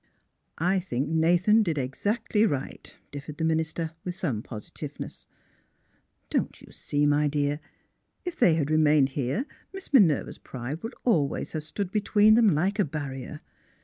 ^' I think Nathan did exactly right," differed the minister, with some positiveness. "Don't you see, my dear, if they had remained here Miss Minerva's pride would always have stood between them like a barrier.